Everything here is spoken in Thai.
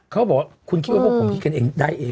เขาบอกว่าคุณคิดว่าพวกผมคิดกันเองได้เอง